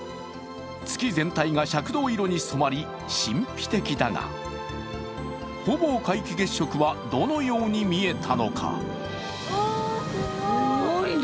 月全体が赤銅色に染まり神秘的だがほぼ皆既月食はどのように見えたのか。